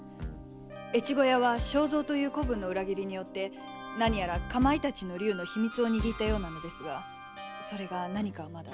越後屋は庄三という子分の裏切りにより何やらカマイタチの竜の秘密を握ったようなのですがそれが何かはまだ。